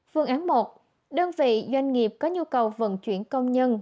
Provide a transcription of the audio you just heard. phương án một đơn vị doanh nghiệp có nhu cầu vận chuyển công nhân